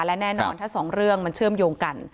และแน่นอนถ้าสองเรื่องมันเชื่อมโยงกัน